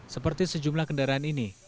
seperti sejumlah kendaraan ini